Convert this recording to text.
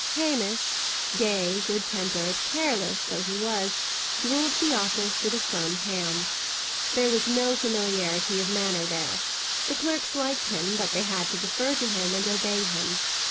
Hamish gay, good tempered, careless, though he was ruled the office with a firm hand. There was no familiarity of manner there; the clerks liked him, but they had to defer to him and obey him.